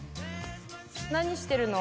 何してるの？